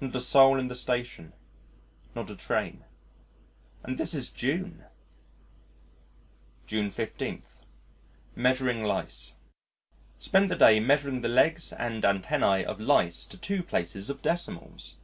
Not a soul in the station. Not a train. And this is June! June 15. Measuring Lice Spent the day measuring the legs and antennæ of lice to two places of decimals!